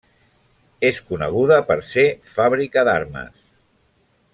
És coneguda per ser fàbrica d'armes.